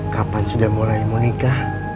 kapan sudah mulai mau nikah